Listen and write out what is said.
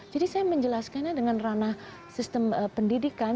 jadi saya menjelaskannya dengan ranah sistem pendidikan